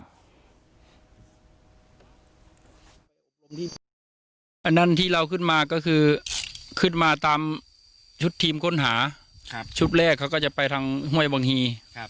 อันนั้นที่เราขึ้นมาก็คือขึ้นมาตามชุดทีมค้นหาชุดแรกเขาก็จะไปทางห้วยบังฮี